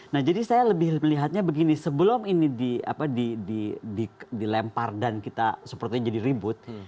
nah jadi saya lebih melihatnya begini sebelum ini dilempar dan kita sepertinya jadi ribut